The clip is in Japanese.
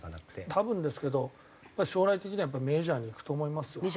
多分ですけど将来的にはやっぱりメジャーに行くと思いますよ。